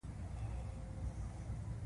پرون په ویړه خوله له کوره راوتلی زلمی